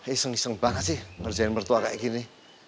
iseng iseng banget sih ngerjain mertua kayak gini